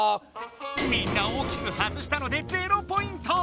みんな大きく外したのでゼロポイント！